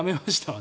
私。